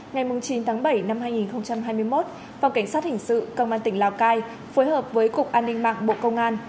ngày chín tháng bảy năm hai nghìn hai mươi một phòng cảnh sát hình sự công an tỉnh lào cai phối hợp với cục an ninh mạng bộ công an